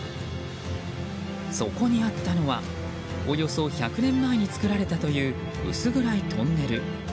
そこにあったのはおよそ１００年前に造られたという薄暗いトンネル。